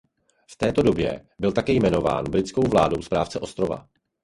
V této době byl také jmenován britskou vládou správce ostrova.